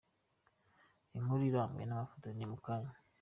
Inkuru irambuye n’amafoto ni mu kanya….